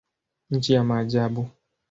Nchi ya maajabu.